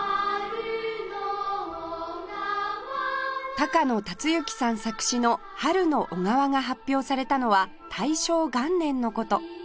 高野辰之さん作詞の『春の小川』が発表されたのは大正元年の事